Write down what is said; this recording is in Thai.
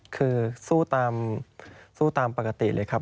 คือสู้ตามปกติเลยครับ